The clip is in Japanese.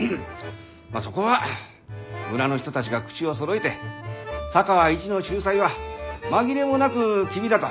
まあそこは村の人たちが口をそろえて佐川一の秀才は紛れもなく君だと。